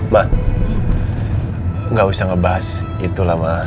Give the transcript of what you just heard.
ma ga usah ngebahas itu lah ma